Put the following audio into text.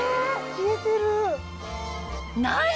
消えてる。